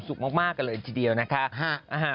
สุดสุขมากกันเลยทีเดียวนะคะ